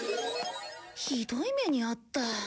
ひどい目に遭った。